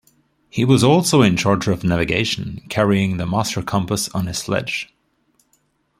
He was also in charge of navigation, carrying the master compass on his sledge.